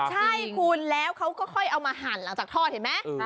ใช่คุณแล้วเขาก็ค่อยเอามาหั่นหลังจากทอดเห็นไหม